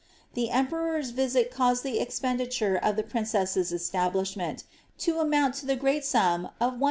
The emperor's visit caused the expenditure of the princess's establishment to amount to the great sum of 1139